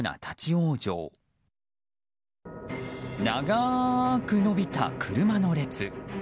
長く伸びた車の列。